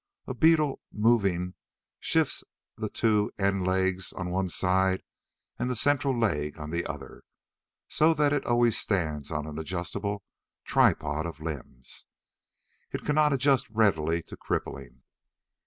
A beetle moving shifts the two end legs on one side and the central leg on the other, so that it always stands on an adjustable tripod of limbs. It cannot adjust readily to crippling.